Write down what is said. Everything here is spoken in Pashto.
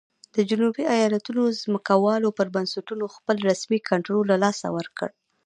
د جنوبي ایالتونو ځمکوالو پر بنسټونو خپل رسمي کنټرول له لاسه ورکړ.